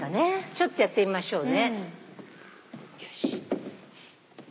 ちょっとやってみましょうね。